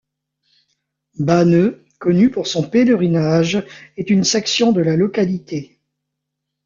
Banneux, connue pour son pèlerinage, est une section de la localité.